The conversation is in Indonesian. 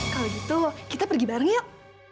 kalau gitu kita pergi bareng yuk